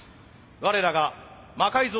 我らが魔改造